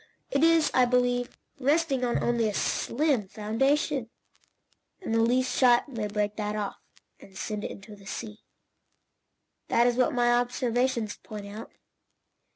It is, I believe, resting on only a slim foundation, and the least shock may break that off, and send it into the sea. That is what my observations point out."